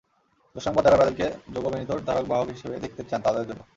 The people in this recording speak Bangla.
দুঃসংবাদ, যাঁরা ব্রাজিলকে জোগো বোনিতোর ধারক-বাহক হিসেবে দেখতে চান, তাঁদের জন্য।